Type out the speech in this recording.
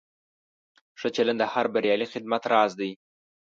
ښه چلند د هر بریالي خدمت راز دی.